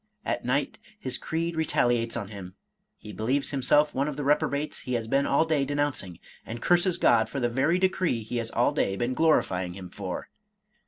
At night his creed retaliates on him; he believes himself one of the reprobates he has been all day denouncing, and curses God for the very decree he has all day been glorifying Him for.